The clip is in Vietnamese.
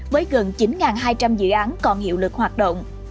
với gần chín hai trăm linh dự án còn hiệu lực hoạt động